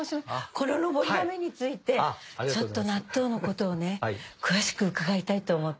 こののぼりが目について納豆のことを詳しく伺いたいと思って。